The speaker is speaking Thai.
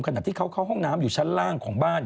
ขณะที่เขาเข้าห้องน้ำอยู่ชั้นล่างของบ้าน